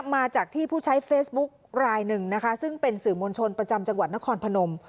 มาจากที่ผู้ใช้เฟซบุ๊คลายหนึ่งนะคะซึ่งเป็นสื่อมวลชนประจำจังหวัดนครพนม